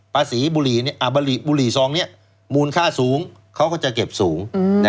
บุหรี่ซองนี้มูลค่าสูงเขาก็จะเก็บสูง